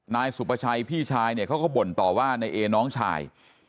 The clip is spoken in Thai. นายสุประชัยพี่ชายเนี่ยเขาก็บ่นต่อว่านายเอน้องชาย